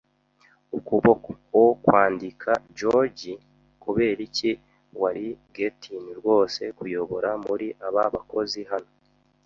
ukuboko o 'kwandika, George? Kuberiki, wari gettin 'rwose kuyobora' muri aba bakozi hano.